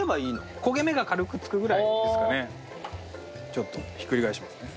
ちょっとひっくり返しますね。